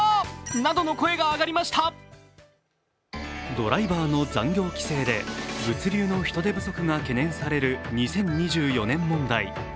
ドライバーの残業規制で物流の人手不足が懸念される２０２４年問題。